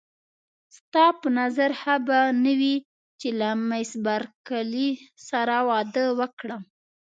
ستا په نظر ښه به نه وي چې له مېس بارکلي سره واده وکړم.